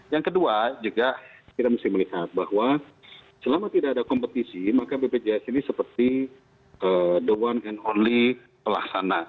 yang kedua juga kita mesti melihat bahwa selama tidak ada kompetisi maka bpjs ini seperti the one and only pelaksana